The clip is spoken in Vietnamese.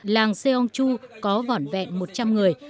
làng seongju có vỏn vẹn một trăm linh người